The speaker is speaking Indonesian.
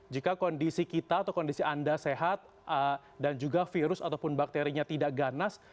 jika kondisi kita atau kondisi anda sehat dan juga virus ataupun bakterinya tidak ganas